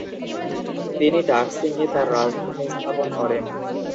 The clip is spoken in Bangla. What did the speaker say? তিনি ডাক্সিংয়ে তার রাজধানী স্থাপন করেন।